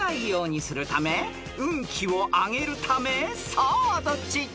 ［さあどっち？］